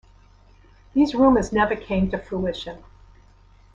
These rumors never came to fruition.